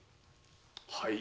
はい。